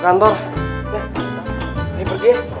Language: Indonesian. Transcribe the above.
iya ayo kasih perbaiki buat dia